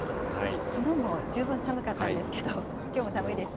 きのうも十分寒かったんですけど、きょうも寒いですね。